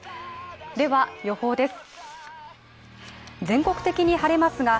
では予報です。